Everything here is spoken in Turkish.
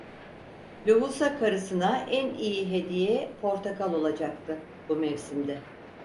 Lohusa karısına en iyi hediye portakal olacaktı, bu mevsimde.